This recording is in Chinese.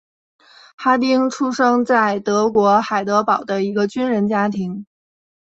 哈丁出生在德国海德堡的一个军人家庭。